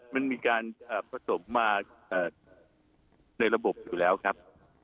มันมีการผสมมาในระบบอยู่แล้วครับ